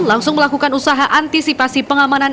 langsung melakukan usaha antisipasi pengamanan